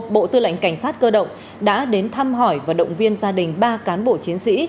bộ tư lệnh cảnh sát cơ động đã đến thăm hỏi và động viên gia đình ba cán bộ chiến sĩ